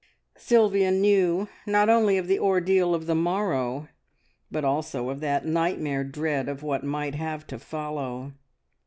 Sylvia knew not only of the ordeal of the morrow, but also of that nightmare dread of what might have to follow.